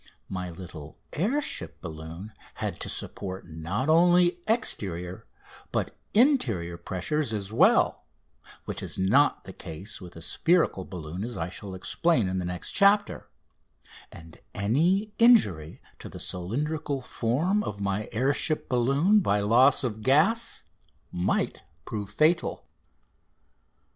My little air ship balloon had to support not only exterior but interior pressure as well which is not the case with a spherical balloon, as I shall explain in the next chapter and any injury to the cylindrical form of my air ship balloon by loss of gas might prove fatal.